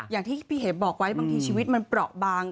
อย่างที่พี่เห็บบอกไว้บางทีชีวิตมันเปราะบาง